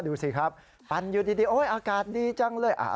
ดูสิครับปั่นอยู่ดีโอ๊ยอากาศดีจังเลย